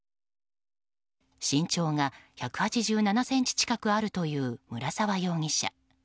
身長が１８７ｃｍ近くあるという村沢容疑者。